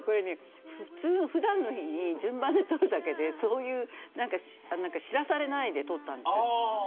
普段の日に順番で撮るだけで知らされないで撮ったんですよ。